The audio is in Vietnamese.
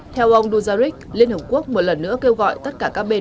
theo ông duzaric liên hợp quốc một lần nữa kêu gọi tất cả các bên